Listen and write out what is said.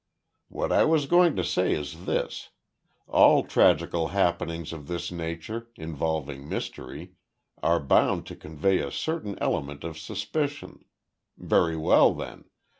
"What I was going to say is this: All tragical happenings of this nature, involving mystery, are bound to convey a certain element of suspicion. Very well then.